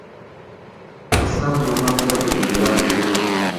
که څه هم زما پلار د ګجرات و.